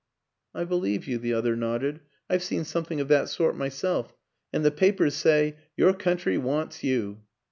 " I believe you," the other nodded, " I've seen something of that sort myself. ... And the papers say, ' Your country wants you